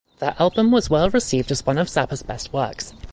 The album was well received as one of Zappa's best works.